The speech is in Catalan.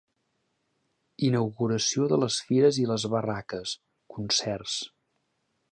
Inauguració de les fires i les barraques, concerts.